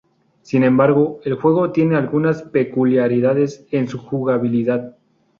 Sin embargo, el juego tiene algunas peculiaridades en su jugabilidad.